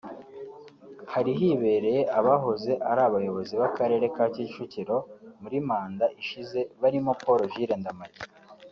hari hibereye abahoze ari abayobozi b’Akarere ka Kicukiro muri manda ishize barimo Paul Jules Ndamage